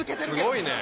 すごいね。